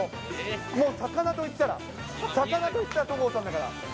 もう魚といったら、魚といったら、戸郷さんだから。